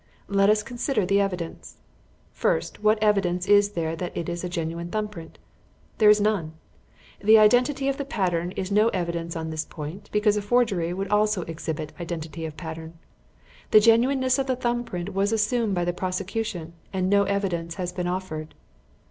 Let us consider the evidence. First, what evidence is there that it is a genuine thumb print? There is none. The identity of the pattern is no evidence on this point, because a forgery would also exhibit identity of pattern. The genuineness of the thumb print was assumed by the prosecution, and no evidence has been offered.